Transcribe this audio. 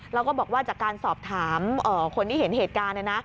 แล้วก็บอกว่าจากการสอบถามคนที่เห็นเหตุการณ์